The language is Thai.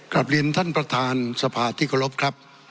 กลับเรียนท่านประธานสภาที่เคารพครับ